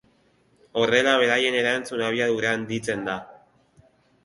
Horrela, beraien erantzun-abiadura handitzen da.